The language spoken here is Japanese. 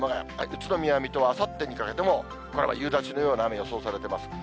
宇都宮、水戸はあさってにかけても、これは夕立のような雨、予想されています。